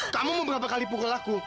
kamu beberapa kali pukul aku